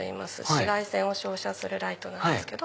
紫外線を照射するライトです。